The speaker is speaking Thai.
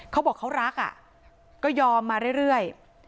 เขาบอกเขารักก็ยอมมาเรื่อย